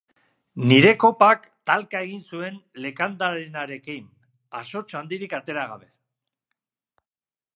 Nire kopak talka egin zuen Lekandarenarekin, asots handirik atera gabe.